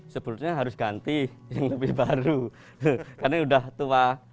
sebetulnya harus ganti yang lebih baru karena udah tua